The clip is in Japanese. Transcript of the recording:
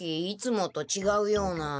いつもとちがうような。